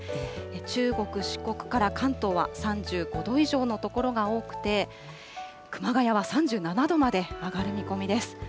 中国、四国から関東は３５度以上の所が多くて、熊谷は３７度まで上がる見込みです。